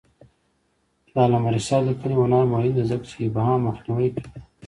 د علامه رشاد لیکنی هنر مهم دی ځکه چې ابهام مخنیوی کوي.